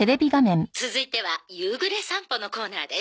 続いては夕ぐれさんぽのコーナーです。